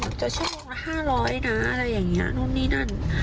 จะชั่วโมงละ๕๐๐นะอะไรอย่างนี้นู่นนี่นั่น